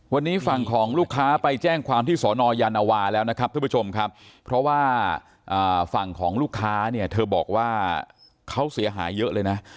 วันนี้ฝั่งของลูกค้าไปแจ้งความที่สอนอยานวาแล้วนะครับท่านผู้ชมครับเพราะว่าฝั่งของลูกค้าเนี่ยเธอบอกว่าเขาเสียหายเยอะเลยนะ